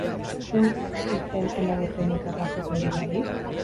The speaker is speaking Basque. Zein izen emango zenioke argazkiko hodeiari?